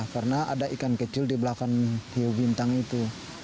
karena ada ikan kecil di belakang hiubintang itu